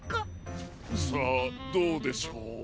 さあどうでしょう？